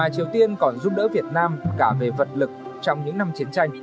triều tiên cũng tranh thủ sự hỗ trợ của liên xô và trung quốc